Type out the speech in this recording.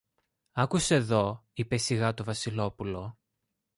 Άκουσε δω, είπε σιγά το Βασιλόπουλο